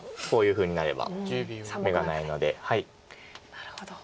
なるほど。